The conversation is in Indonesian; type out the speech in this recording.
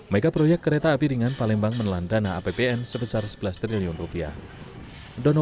mega proyek kereta piringan palembang menelan dana apbn sebesar rp sebelas triliun